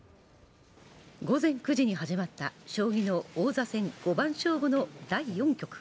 午前９時に始まった将棋の王座戦五番勝負の第４局。